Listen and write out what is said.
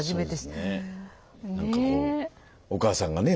何かこうお母さんがね